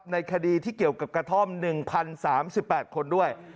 ในคดีที่เกี่ยวกับกระท่อม๑๐๓๘คนด้วย